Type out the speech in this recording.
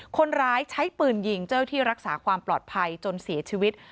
คนร้ายใช้ปืนยิงเจ้าที่รักษาความปลอดภัยจนเสียชีวิต